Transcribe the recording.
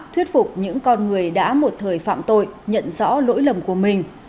thuyết phục những con người đã một thời phạm tội nhận rõ lỗi lầm của mình